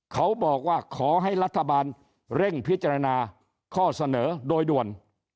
ขอให้รัฐบาลเร่งพิจารณาข้อเสนอโดยด่วน